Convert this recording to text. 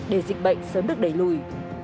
để dịch bệnh sớm được đẩy lùi